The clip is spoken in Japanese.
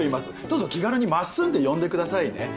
どうぞ気軽にマッスンって呼んでくださいね。